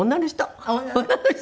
女の人。